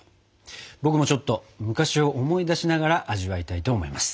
僕もちょっと昔を思い出しながら味わいたいと思います。